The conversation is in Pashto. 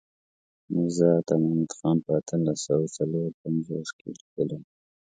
میرزا عطا محمد خان په اتلس سوه څلور پنځوس کې لیکلی.